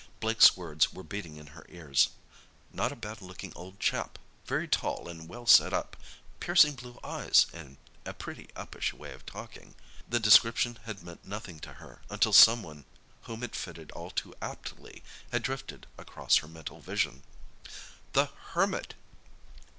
Blake's words were beating in her ears. "Not a bad looking old chap—very tall and well set up—piercing blue eyes and a pretty uppish way of talking." The description had meant nothing to her until someone whom it fitted all too aptly had drifted across her mental vision. The Hermit!